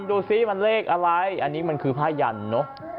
ดูสิมันเลขอะไรอันนี้มันคือผ้ายันเนอะ